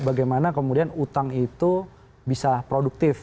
bagaimana kemudian utang itu bisa produktif